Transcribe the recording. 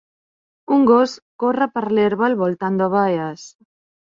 Un gos corre per l'herba al voltant d'ovelles.